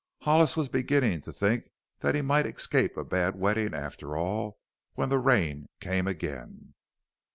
Hollis was beginning to think that he might escape a bad wetting after all when the rain came again.